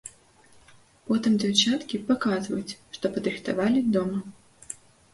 Потым дзяўчаткі паказваюць, што падрыхтавалі дома.